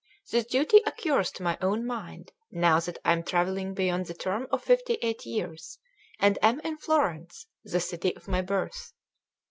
This duty occurs to my own mind now that I am travelling beyond the term of fifty eight years, and am in Florence, the city of my birth.